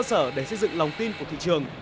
và lòng tin của thị trường